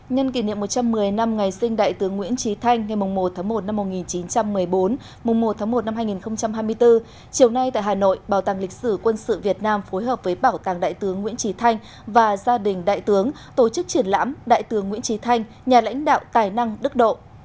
nhân kỷ niệm một trăm một mươi năm ngày sinh đại tướng nguyễn trí thanh ngày một tháng một năm một nghìn chín trăm một mươi bốn một hai nghìn hai mươi bốn chiều nay tại hà nội bảo tàng lịch sử quân sự việt nam phối hợp với bảo tàng đại tướng nguyễn trí thanh và gia đình đại tướng tổ chức triển lãm đại tướng nguyễn trí thanh nhà lãnh đạo tài năng đức độ